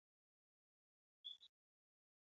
لر او بر ژبنی توپیر لري.